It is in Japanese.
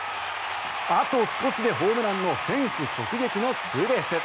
あと少しでホームランのフェンス直撃のツーベース。